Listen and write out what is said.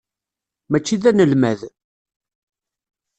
Mačči d anelmad.